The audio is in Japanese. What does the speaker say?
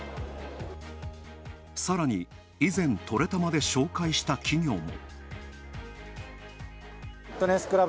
さらに、以前トレたまで紹介した企業も。